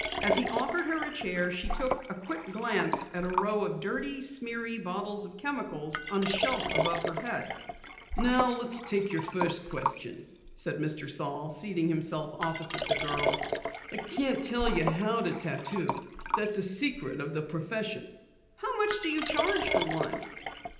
As he offered her a chair she took a quick glance at a row of dirty, smeary bottles of chemicals on a shelf above her head. "Now let's take your first question," said Mr. Saal, seating himself opposite the girl. "I can't tell you how to tattoo that's a secret of the profession." "How much do you charge for one?"